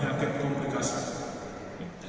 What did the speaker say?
adanya medikasi diracun pada saat pemeriksaan